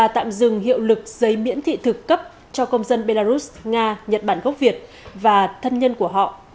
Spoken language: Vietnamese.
tạm dừng hiệu lực giấy miễn thị thực cấp cho công dân belarus nga nhật bản gốc việt và thân nhân của họ